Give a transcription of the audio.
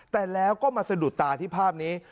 แต่แล้วก็มาสะดุดตาที่ภาพนี้